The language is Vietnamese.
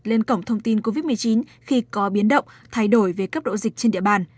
lên cổng thông tin covid một mươi chín khi có biến động thay đổi về cấp độ dịch trên địa bàn